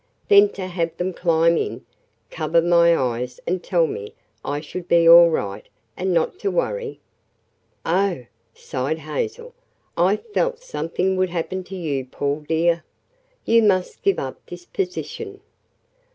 Then to have them climb in, cover my eyes and tell me I would be all right, and not to worry!" "Oh," sighed Hazel, "I felt something would happen to you, Paul, dear. You must give up this position."